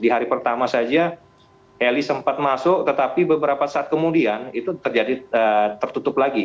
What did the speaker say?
di hari pertama saja heli sempat masuk tetapi beberapa saat kemudian itu terjadi tertutup lagi